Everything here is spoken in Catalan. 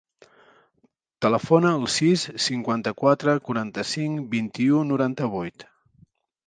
Telefona al sis, cinquanta-quatre, quaranta-cinc, vint-i-u, noranta-vuit.